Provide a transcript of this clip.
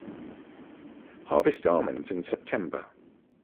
Harvest almonds in September.